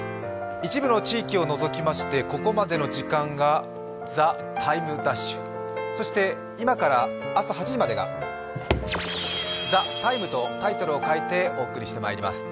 一部の地域を除きまして、ここまでの時間が「ＴＨＥＴＩＭＥ’」、そして今から朝８時までが「ＴＨＥＴＩＭＥ，」とタイトルを変えてお送りしてまいります。